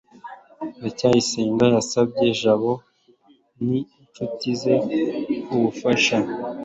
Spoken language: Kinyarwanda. ndacyayisenga yasabye jabo n'inshuti ze ubufasha